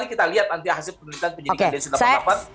tapi kita lihat nanti hasil penyelidikan densus delapan puluh delapan